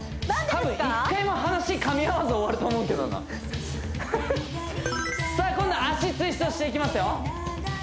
たぶん１回も話かみ合わんで終わると思うけどなさあ今度は脚ツイストしていきますよ